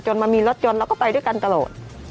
มันมีรถยนต์เราก็ไปด้วยกันตลอด